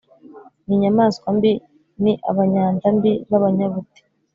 ni inyamaswa mbi ni abanyanda mbi b’abanyabute.”